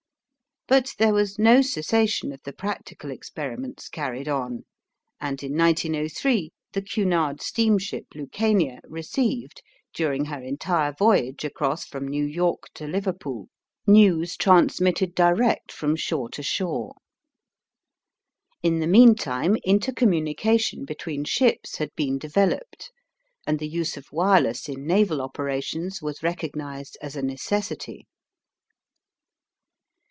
But there was no cessation of the practical experiments carried on, and in 1903 the Cunard steamship Lucania received, during her entire voyage across from New York to Liverpool, news transmitted direct from shore to shore. In the meantime intercommunication between ships had been developed and the use of wireless in naval operations was recognized as a necessity.